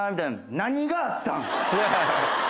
何があったん？